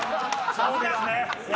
そうですね！